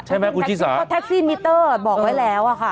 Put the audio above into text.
ใช่ไหมคุณชิสาเพราะแท็กซี่มิเตอร์บอกไว้แล้วอ่ะค่ะ